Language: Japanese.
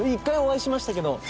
１回お会いしましたけど。